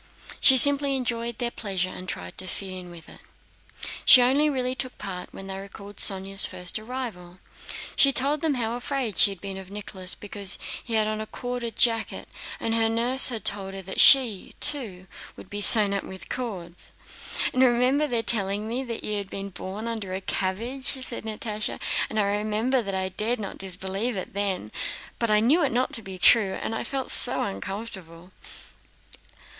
She simply enjoyed their pleasure and tried to fit in with it. She only really took part when they recalled Sónya's first arrival. She told them how afraid she had been of Nicholas because he had on a corded jacket and her nurse had told her that she, too, would be sewn up with cords. "And I remember their telling me that you had been born under a cabbage," said Natásha, "and I remember that I dared not disbelieve it then, but knew that it was not true, and I felt so uncomfortable."